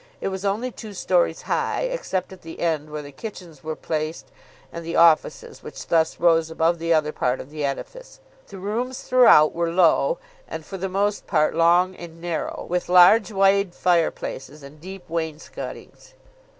It was only two stories high, except at the end, where the kitchens were placed and the offices, which thus rose above the other part of the edifice. The rooms throughout were low, and for the most part long and narrow, with large wide fire places and deep wainscotings.